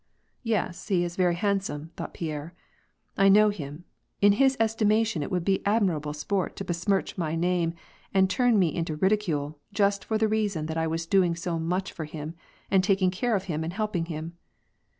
" Yes, he is very handsome," thought Pierre, " I know him. In his estimation it would be admirable sport to besmirch my name and tuiii me into ridicule, just for the very reason that I was doing so much for him, and taking care of him and help ing him.